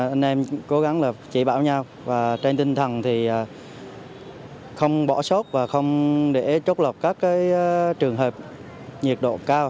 anh em cố gắng chỉ bảo nhau trên tinh thần thì không bỏ sốt và không để trốt lọc các trường hợp nhiệt độ cao